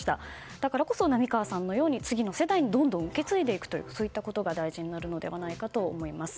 だからこそ並川さんのように次の世代にどんどん受け継いでいくそういったことが大事になるのではないかと思います。